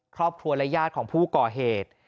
ครอบครัวและญาติของผู้ก่อเหตุ